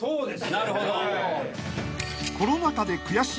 なるほど。